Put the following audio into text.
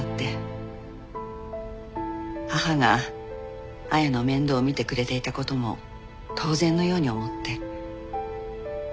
母が亜矢の面倒を見てくれていた事も当然のように思って。